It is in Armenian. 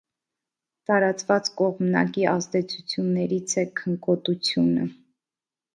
Տարածված կողմնակի ազդեցություններից է քնկոտությունը։